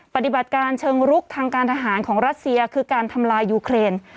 ปฏิบัติการเชิงลุกทางการทหารของรัสเซียคือการทำลายยูเครน